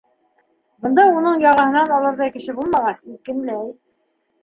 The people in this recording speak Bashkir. Бында уның яғаһынан алырҙай кеше булмағас, иркенләй.